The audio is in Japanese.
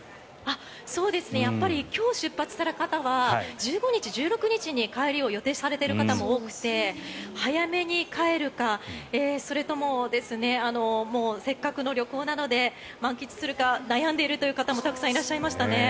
今日、出発される方は１５日１６日に帰りを予定されている方も多くて早めに帰るかそれともせっかくの旅行なので満喫するか悩んでいる方もたくさんいらっしゃいましたね。